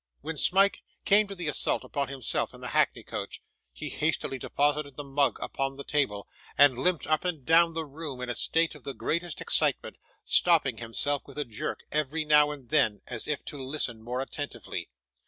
When Smike came to the assault upon himself in the hackney coach, he hastily deposited the mug upon the table, and limped up and down the room in a state of the greatest excitement, stopping himself with a jerk, every now and then, as if to listen more attentively.